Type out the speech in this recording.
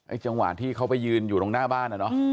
จังหวะที่เขาไปยืนอยู่ตรงหน้าบ้านอ่ะเนอะ